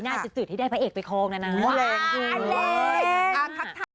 ไม่ได้พระเอกไปคงนะนะ